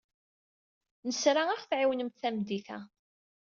Nesra ad ɣ-tɛiwnemt tameddit-a.